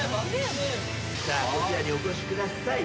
こちらにお越しください。